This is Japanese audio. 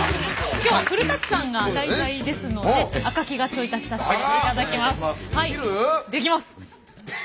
今日は古さんが題材ですので赤木がちょい足しさせていただきます。